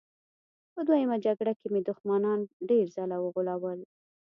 په دویمه جګړه کې مې دښمنان ډېر ځله وغولول